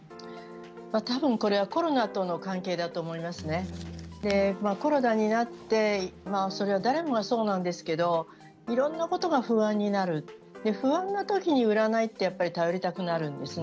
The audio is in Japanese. これは多分コロナとの関係だと思いますがコロナになって誰もがそうなんですがいろいろなことが不安になる不安な時に占いをやっぱり頼りたくなるんですね。